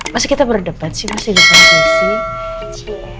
masa kita berdebat sih masa kita berdebat sih